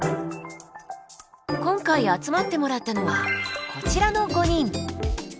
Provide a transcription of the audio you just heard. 今回集まってもらったのはこちらの５人。